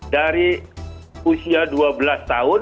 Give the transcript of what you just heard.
dari usia dua belas tahun ke dua belas tahun